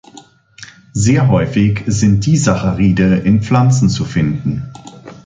Sehr häufig sind Disaccharide in Pflanzen zu finden.